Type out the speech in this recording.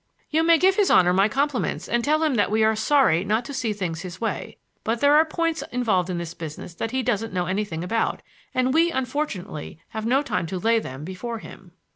"You may give his Honor my compliments and tell him that we are sorry not to see things his way, but there are points involved in this business that he doesn't know anything about, and we, unfortunately, have no time to lay them before him."